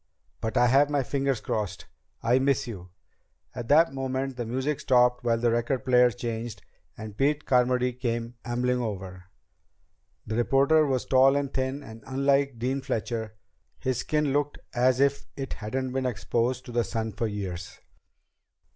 But I have my fingers crossed. I miss you." At that moment the music stopped while the record player changed, and Pete Carmody came ambling over. The reporter was tall and thin, and unlike Dean Fletcher, his skin looked as if it hadn't been exposed to the sun for years.